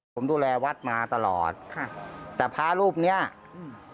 ผมดูแลวัดมาตลอดค่ะแต่พระรูปเนี้ยอืม